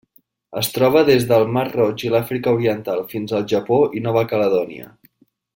Es troba des del mar Roig i l'Àfrica Oriental fins al Japó i Nova Caledònia.